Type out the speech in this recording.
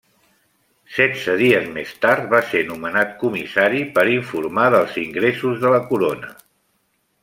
Setze dies més tard va ser nomenat Comissari per informar dels ingressos de la Corona.